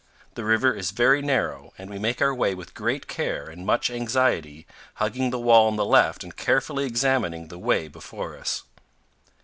The river is very narrow, and we make our way with great care and much anxiety, hugging the wall on the left and carefully examining the way before us.